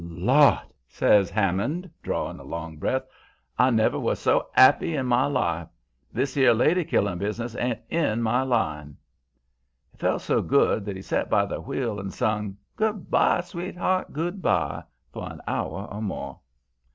"'Lawd!' says Hammond, drawing a long breath, 'I never was so 'appy in my life. This 'ere lady killing business ain't in my line.' "He felt so good that he set by the wheel and sung, 'Good by, sweet'art, good by,' for an hour or more.